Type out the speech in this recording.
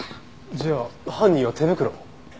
じゃあ犯人は手袋を？